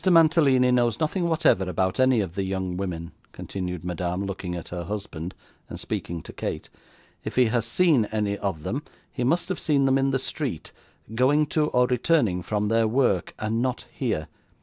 Mantalini knows nothing whatever about any of the young women,' continued Madame, looking at her husband, and speaking to Kate. 'If he has seen any of them, he must have seen them in the street, going to, or returning from, their work, and not here.